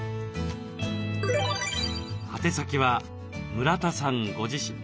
宛先は村田さんご自身。